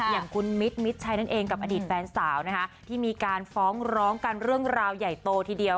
อย่างคุณมิตรมิดชัยนั่นเองกับอดีตแฟนสาวนะคะที่มีการฟ้องร้องกันเรื่องราวใหญ่โตทีเดียว